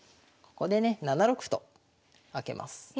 ここでね７六歩と開けます。